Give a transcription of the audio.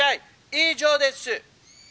以上です」。